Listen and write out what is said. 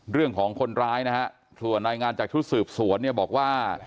เรื่องของคนร้ายนะฮะส่วนรายงานจากชุดสืบสวนเนี่ยบอกว่า